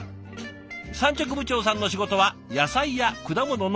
産直部長さんの仕事は野菜や果物の仲卸。